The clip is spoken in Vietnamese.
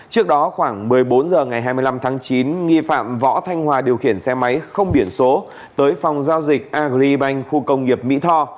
trước đó khoảng một mươi bốn h ngày hai mươi năm tháng chín nghi phạm võ thanh hòa điều khiển xe máy không biển số tới phòng giao dịch agribank khu công nghiệp mỹ tho